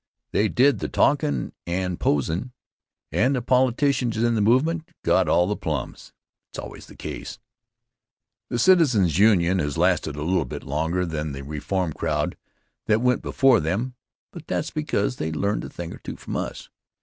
They did the talkin' and posin', and the politicians in the movement got all the plums. It's always the case. The Citizens' Union has lasted a little bit longer than the reform crowd that went before them, but that's because they learned a thing or two from us.